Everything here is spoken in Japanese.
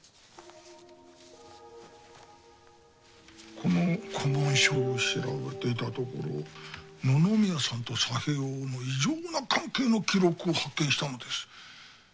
この古文書を調べていたところ野々宮さんと佐兵衛翁の異常な関係の記録を発見したのです。